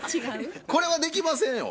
これはできませんよ。